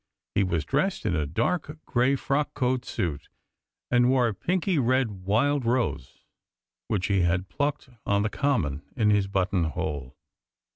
He was dressed in a dark grey frock coat suit, and wore a pinky red wild rose, which he had plucked on the Common, in his button hole.